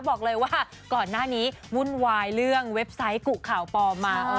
บอกเลยว่าก่อนหน้านี้วุ่นวายเรื่องเว็บไซต์กุข่าวปลอมมา